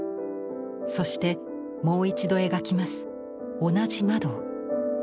そしてもう一度描きます同じ窓を。